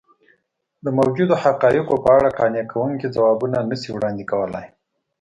د موجودو حقایقو په اړه قانع کوونکي ځوابونه نه شي وړاندې کولی.